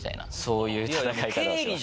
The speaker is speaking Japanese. そういう戦い方をします。